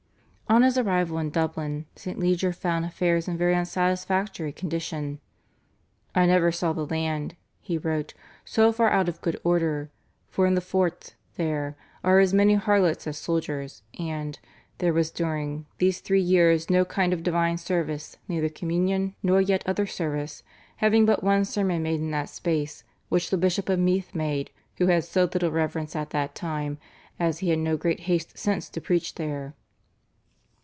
" On his arrival in Dublin St. Leger found affairs in a very unsatisfactory condition. "I never saw the land," he wrote, "so far out of good order, for in the forts [there] are as many harlots as soldiers, and [there was during] these three years no kind of divine service, neither communion, nor yet other service, having but one sermon made in that space, which the Bishop of Meath made, who had so little reverence at that time, as he had no great haste since to preach there."